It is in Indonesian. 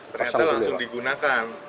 ternyata langsung digunakan